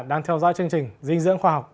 đang theo dõi chương trình dinh dưỡng khoa học